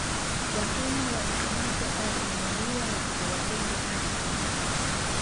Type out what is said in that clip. Watumwa walikamatwa au kununuliwa wakabeba pembe hadi pwani